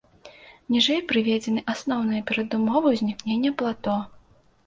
Ніжэй прыведзены асноўныя перадумовы ўзнікнення плато.